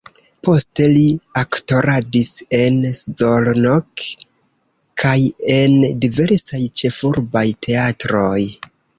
Poste li aktoradis en Szolnok kaj en diversaj ĉefurbaj teatroj.